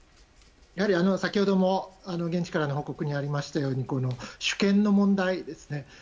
先ほども現地からの報告にありましたように主権の問題ですね。